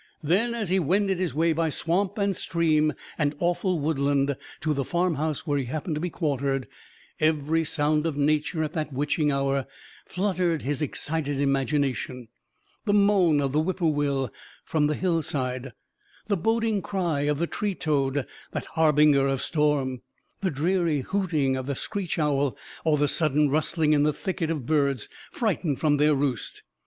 Then, as he wended his way, by swamp and stream and awful woodland, to the farmhouse where he happened to be quartered, every sound of nature, at that witching hour, fluttered his excited imagination: the moan of the whip poor will from the hill side; the boding cry of the tree toad, that harbinger of storm; the dreary hooting of the screech owl, or the sudden rustling in the thicket of birds frightened from their roost.